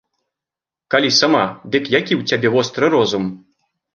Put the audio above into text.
Калі сама, дык які ў цябе востры розум!